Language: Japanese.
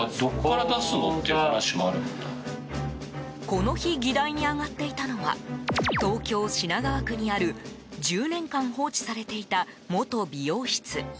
この日議題に上がっていたのは東京・品川区にある１０年間放置されていた元美容室。